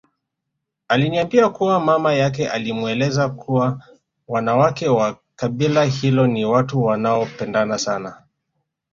Aliniambia kuwa mama yake alimweleza kuwa wanawake wa kabila hilo ni watu wanaopendana sana